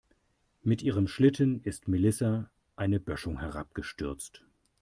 Mit ihrem Schlitten ist Melissa eine Böschung herabgestürzt.